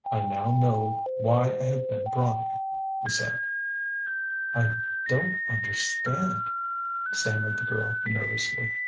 "I now know why I have been brought here," he said. "I don't understand," stammered the girl nervously.